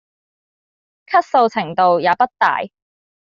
咳嗽程度也不大